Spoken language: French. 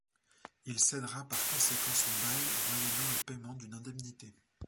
Il cédera par conséquent son bail moyennant le paiement d'une indemnité.